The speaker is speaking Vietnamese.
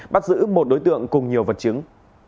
bắt giữ một đối tượng cùng nhiều vật chứng